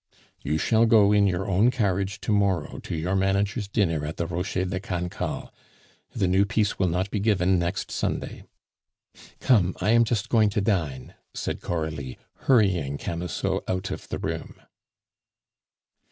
"You shall go in your own carriage to morrow to your manager's dinner at the Rocher de Cancale. The new piece will not be given next Sunday." "Come, I am just going to dine," said Coralie, hurrying Camusot out of the room.